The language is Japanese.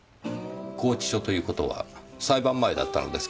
拘置所という事は裁判前だったのですか？